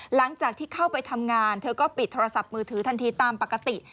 หลังจากที่เข้าไปทำงานเธอก็ปิดโทรศัพท์มือถือทันทีตามปกติ